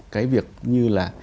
cái việc như là